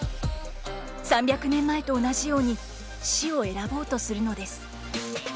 ３００年前と同じように死を選ぼうとするのです。